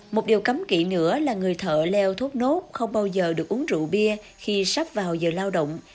một điều cấm kỹ nữa là người thợ leo thốt nốt không bao giờ được uống rượu bia khi sắp vào giờ lao động